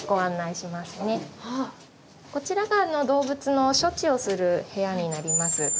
こちらが動物の処置をする部屋になります。